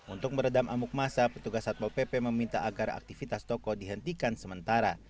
untuk meredam amuk masa petugas satpol pp meminta agar aktivitas toko dihentikan sementara